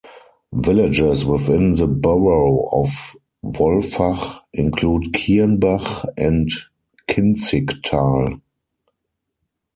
Villages within the borough of Wolfach include Kirnbach and Kinzigtal.